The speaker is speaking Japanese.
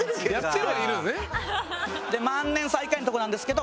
で万年最下位のとこなんですけど。